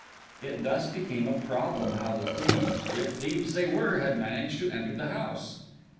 It thus became a problem how the thieves, if thieves they were, had managed to enter the house.